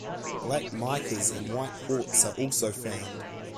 Black micas and white quartz are also found.